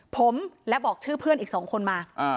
ผมและบอกชื่อเพื่อนอีก๒คนมา